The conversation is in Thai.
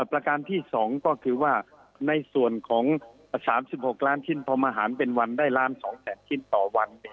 ประการที่๒ก็คือว่าในส่วนของ๓๖ล้านชิ้นพอมาหารเป็นวันได้ล้าน๒แสนชิ้นต่อวัน